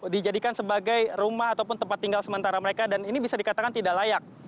dijadikan sebagai rumah ataupun tempat tinggal sementara mereka dan ini bisa dikatakan tidak layak